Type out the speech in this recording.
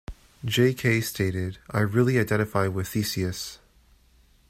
Jay Kay stated, I really identify with Theseus.